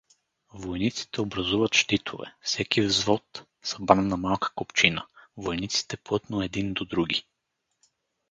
Войниците образуват щитове: всеки взвод, събран на малка купчина, войниците плътно един до други.